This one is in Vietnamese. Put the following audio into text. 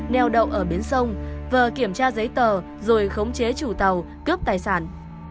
neo đậu ở bến sông vờ kiểm tra giấy tờ rồi khống chế chủ tàu cướp tài sản